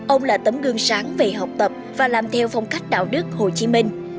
ông là tấm gương sáng về học tập và làm theo phong cách đạo đức hồ chí minh